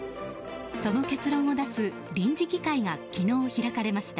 その結論を出す臨時議会が昨日、開かれました。